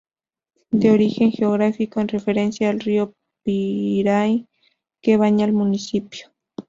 De origen geográfico, en referencia al Río Piraí, que baña el municipio.